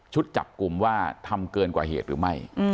จับกลุ่มว่าทำเกินกว่าเหตุหรือไม่